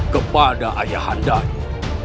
kepada ayah handanya